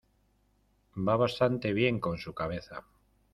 Va bastante bien con su cabeza.